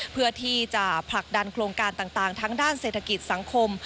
เพื่อที่จะผลักดันโครงการต่างทั้งด้านเศรษฐกิจสังคม